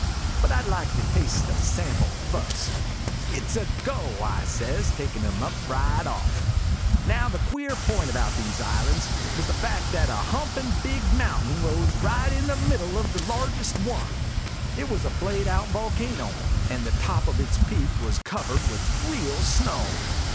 " But I 'd like to taste a sample fust." " It 's a go !" I says, takin' him up right off. Now, the queer point about these islands was the fact that a humpin' big mount'in rose right in the middle o' the largest one. It was a played out volcano, and the top of its peak was covered with real snow.